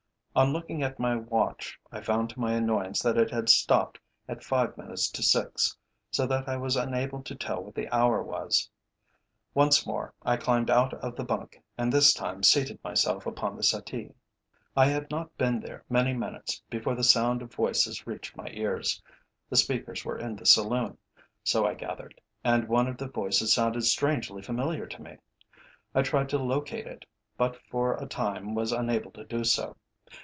On looking at my watch I found to my annoyance that it had stopped at five minutes to six, so that I was unable to tell what the hour was. Once more I climbed out of the bunk, and this time seated myself upon the settee. I had not been there many minutes before the sound of voices reached my ears. The speakers were in the saloon, so I gathered, and one of the voices sounded strangely familiar to me. I tried to locate it, but for a time was unable to do so.